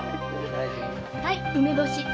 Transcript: はい梅干し。